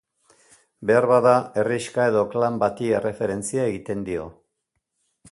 Beharbada, herrixka edo klan bati erreferentzia egiten dio.